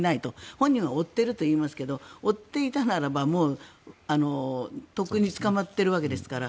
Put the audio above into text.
本人は負っていると言いますが負っているならばもう、とっくに捕まっているわけですから。